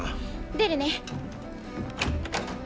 出るね。